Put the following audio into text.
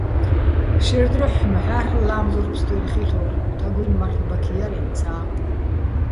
შაჲრ დროჰ̦ მჵა́რლ' ლა́მზურ ფსტუჲნო̆ ხილ'ურ, თაგუ́ჲნი̆ მარლ'ბაქი ჲარ ინცა́.